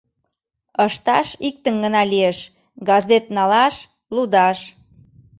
Ышташ иктым гына лиеш: газет налаш, лудаш.